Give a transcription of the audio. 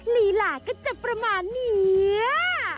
ลีลาก็จะประมาณนี้